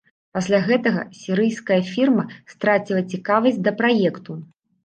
Пасля гэтага сірыйская фірма страціла цікавасць да праекту.